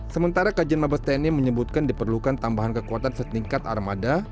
sementara kajian mabes tni menyebutkan diperlukan tambahan kekuatan setingkat armada